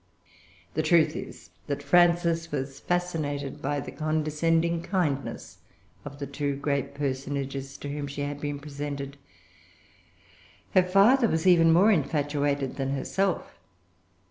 [Pg 358] The truth is, that Frances was fascinated by the condescending kindness of the two great personages to whom she had been presented. Her father was even more infatuated than herself.